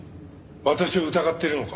私を疑っているのか？